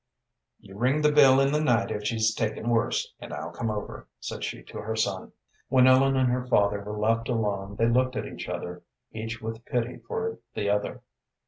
"You ring the bell in the night if she's taken worse, and I'll come over," said she to her son. When Ellen and her father were left alone they looked at each other, each with pity for the other.